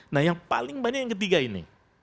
nah yang paling banyak yang ketiga ini